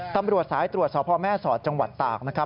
ตำรวจสายตรวจสอบพ่อแม่สอดจังหวัดตากนะครับ